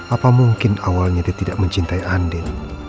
apa mungkin awalnya dia tidak mencintai andin